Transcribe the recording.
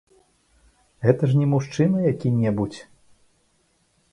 Гэта ж не мужчына які-небудзь.